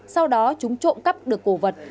sau đó chúng trộm cắp được cổ vật